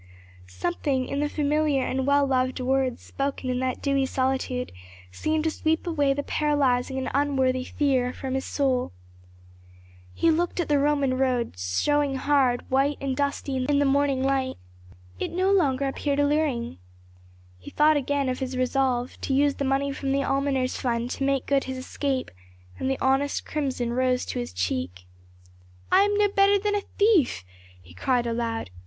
'" Something in the familiar and well loved words spoken in that dewy solitude seemed to sweep away the paralyzing and unworthy fear from out his soul. He looked at the Roman road, showing hard, white and dusty in the morning light, it no longer appeared alluring. He thought again of his resolve to use the money from the almoner's fund to make good his escape, and the honest crimson rose to his cheek. "I am no better than a thief," he cried aloud.